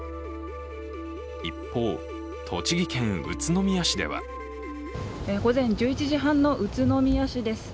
一方、栃木県宇都宮市では午前１１時半の宇都宮市です。